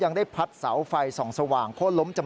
ยังได้พัดเสาไฟ๒สว่างโค้นล้ม